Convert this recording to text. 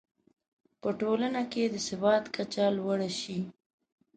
په ټولنه کې د سواد کچه لوړه شي.